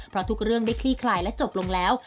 เพราะทุกเรื่องได้คลี่คลายและจบลงแล้ว